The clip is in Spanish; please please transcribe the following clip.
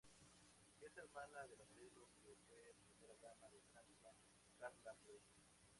Es hermana de la modelo que fue Primera Dama de Francia Carla Bruni.